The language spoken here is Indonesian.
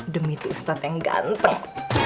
demi tustad yang ganteng